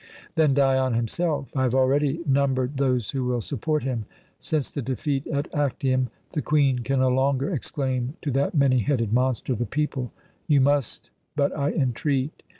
Then Dion himself. I have already numbered those who will support him. Since the defeat at Actium, the Queen can no longer exclaim to that many headed monster, the people, 'You must,' but 'I entreat.'